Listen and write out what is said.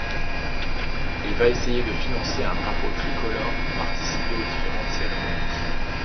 Et va essayer de financer un drapeau tricolore pour participer aux différentes cérémonies.